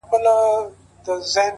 o بنده اريان، خداى مهربان٫